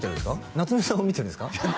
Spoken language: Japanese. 夏目さんを見てるんですか？